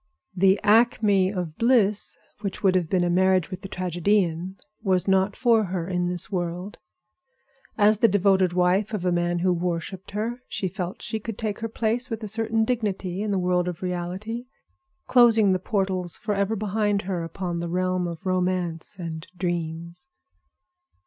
The acme of bliss, which would have been a marriage with the tragedian, was not for her in this world. As the devoted wife of a man who worshiped her, she felt she would take her place with a certain dignity in the world of reality, closing the portals forever behind her upon the realm of romance and dreams.